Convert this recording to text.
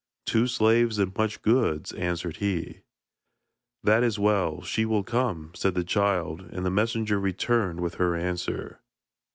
'Two slaves and much goods,' answered he. 'That is well; she will come,' said the child, and the messenger returned with her answer.